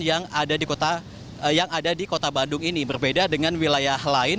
ini adalah persamatan yang ada di kota bandung ini berbeda dengan wilayah lain